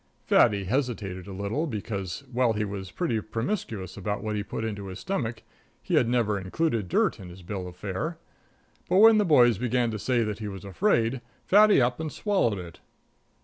Fatty hesitated a little, because, while he was pretty promiscuous about what he put into his stomach, he had never included dirt in his bill of fare. But when the boys began to say that he was afraid, Fatty up and swallowed it.